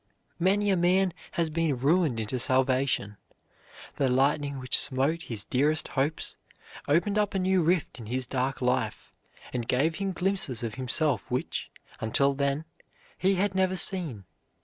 Many a man has been ruined into salvation. The lightning which smote his dearest hopes opened up a new rift in his dark life, and gave him glimpses of himself which, until then, he had never seen.